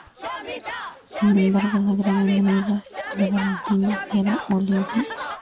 Sin embargo, la gran enemiga de Valentina será Olimpia.